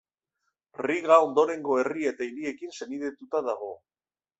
Riga ondorengo herri eta hiriekin senidetuta dago.